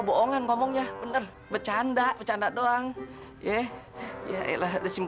beginiannya kuning beginian hitam